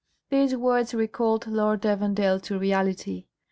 These words recalled Lord Evandale to reality.